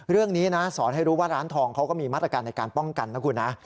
เรื่องนี้นะสอนให้รู้ว่าร้านทองเขาก็มีมาตรการในการป้องกันนะคุณนะ